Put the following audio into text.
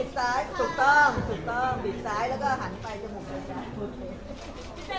สวัสดีค่ะ